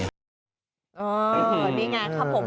อ๋อนี่ไงครับผม